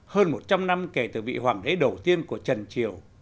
hơn một trăm linh năm kể từ vị hoàng đế đầu tiên của trần triều